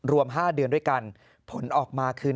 รวม๕เดือนด้วยกันผลออกมาคือ